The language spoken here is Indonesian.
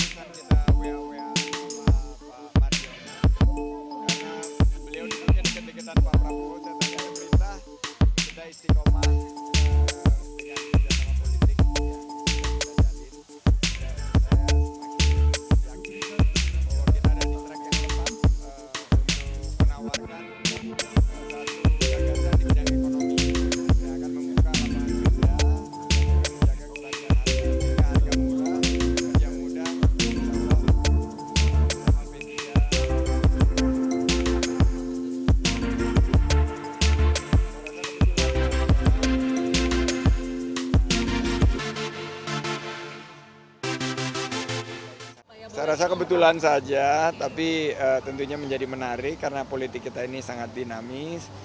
saya rasa kebetulan saja tapi tentunya menjadi menarik karena politik kita ini sangat dinamis